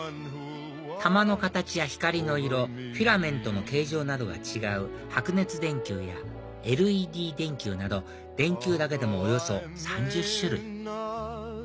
球の形や光の色フィラメントの形状などが違う白熱電球やＬＥＤ電球など電球だけでもおよそ３０種類